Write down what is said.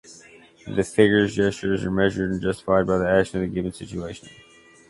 The figures’ gestures are measured and justified by the action of the given situation.